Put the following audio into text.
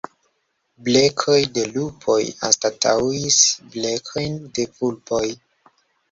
Blekoj de lupoj anstataŭis blekojn de vulpoj.